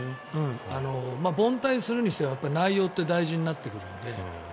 凡退するにせよ内容って大事になってくるので。